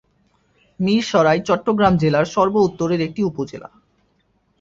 মীরসরাই চট্টগ্রাম জেলার সর্ব উত্তরের একটি উপজেলা।